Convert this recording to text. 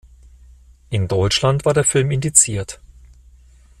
In Deutschland war der Film indiziert.